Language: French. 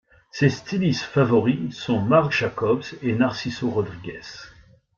Ses stylistes favoris sont Marc Jacobs et Narciso Rodriguez.